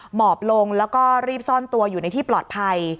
หมอบลงแล้วก็รีบซ่อนตัวอยู่ในที่ปลอดภัย